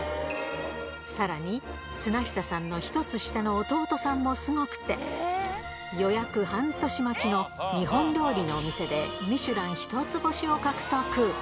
さらに、綱久さんの１つ年下の弟さんもすごくて、予約半年待ちの日本料理のお店で、ミシュラン１つ星を獲得。